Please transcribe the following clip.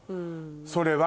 それは。